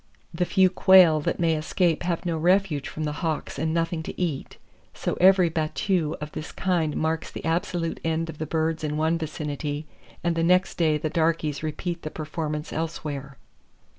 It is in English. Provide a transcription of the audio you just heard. The few quail that may escape have no refuge from the hawks and nothing to eat, so every battue of this kind marks the absolute end of the birds in one vicinity; and the next day the darkies repeat the performance elsewhere.